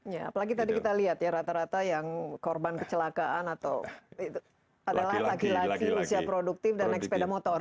ya apalagi tadi kita lihat ya rata rata yang korban kecelakaan atau adalah laki laki usia produktif dan naik sepeda motor